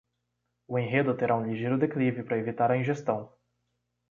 O enredo terá um ligeiro declive para evitar a ingestão.